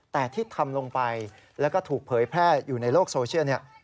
แต่ที่ทำลงไปแล้วก็ถูกเผยแพร่อยู่ในโลกโซเชียลเนี่ย